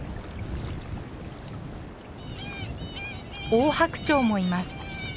オオハクチョウもいます。